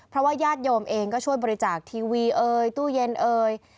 เพราะว่าญาติโยมเองก็ช่วยบริจาคทีวีเอ่ยตู้เย็นเอ่ย